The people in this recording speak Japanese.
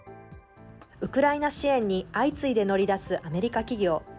ウクライナ支援に相次いで乗り出すアメリカ企業。